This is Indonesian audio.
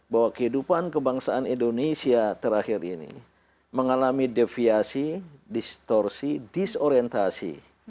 bahwa kehidupan kebangsaan indonesia terakhir ini mengalami deviasi distorsi disorientasi